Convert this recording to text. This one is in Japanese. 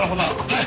はい。